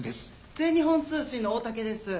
全日本通信の大竹です。